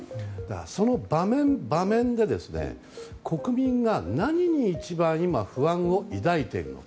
その場面場面で国民が何に一番今、不安を抱いているのか。